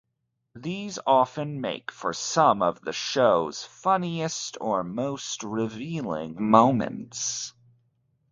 These often make for some of the show's funniest or most revealing moments.